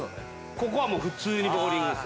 ここは普通にボウリングです。